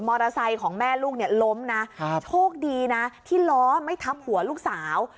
ของแม่ลูกเนี่ยล้มนะครับโชคดีนะที่ล้อไม่ทับหัวลูกสาว